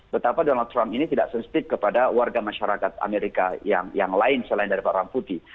betapa donald trump ini tidak sensitif kepada warga masyarakat amerika yang lain selain dari bawang putih